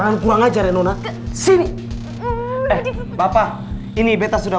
kamu nggak perlu nolongin dia rara